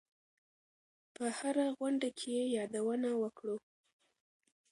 په هره غونډه کې یې یادونه وکړو.